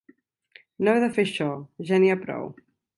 No heu de fer això. Ja n'hi ha prou!